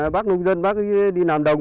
bác nông dân bác đi làm đồng